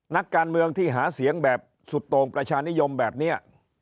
นักการเมืองที่หาเสียงแบบสุดโต่งประชานิยมแบบนี้